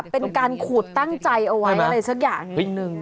เป็นการขูดตั้งใจเอาไว้อะไรสักอย่างหนึ่ง